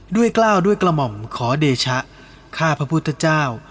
กล้าวด้วยกระหม่อมขอเดชะข้าพระพุทธเจ้า